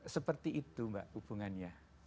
seperti itu mbak hubungannya